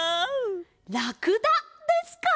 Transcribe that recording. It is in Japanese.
ラクダですか！